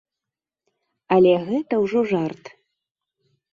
Але гэта ўжо жарт.